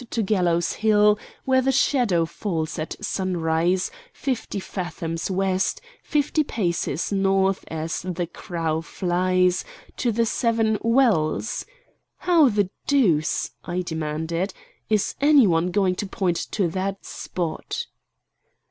to Gallows Hill where the shadow falls at sunrise, fifty fathoms west, fifty paces north as the crow flies, to the Seven Wells'? How the deuce," I demanded, "is any one going to point to that spot?"